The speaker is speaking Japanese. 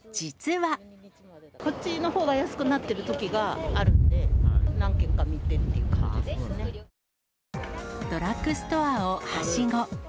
こっちのほうが安くなってるときがあるので、ドラッグストアをはしご。